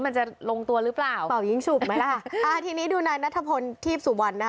มันจะลงตัวหรือเปล่าเป่ายิงฉุบไหมล่ะอ่าทีนี้ดูนายนัทพลทีพสุวรรณนะคะ